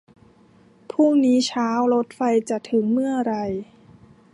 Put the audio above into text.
พรุ่งนี้เช้ารถไฟจะถึงเมื่อไหร่